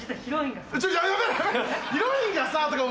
「ヒロインがさぁ」とかも！